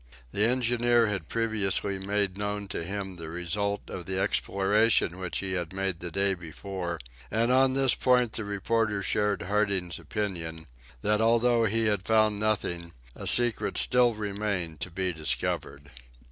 The engineer had previously made known to him the result of the exploration which he had made the day before, and on this point the reporter shared Harding's opinion, that although he had found nothing, a secret still remained to be discovered!